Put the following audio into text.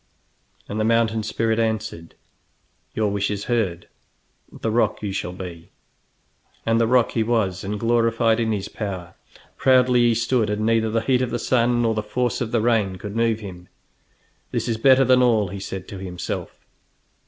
And the mountain spirit answered: "Your wish is heard; the rock you shall be!" And the rock he was, and glorified in his power. Proudly he stood, and neither the heat of the sun nor the force of the rain could move him. "This is better than all!" he said to himself.